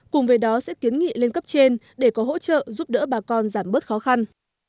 cùng với đó sẽ kiến nghị lên cấp trên để có hỗ trợ giúp đỡ bà con giảm bớt khó khăn